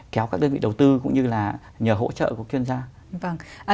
kéo các đơn vị đầu tư cũng như là nhờ hỗ trợ của chuyên gia